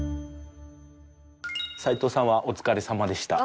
齊藤さんはお疲れさまでした。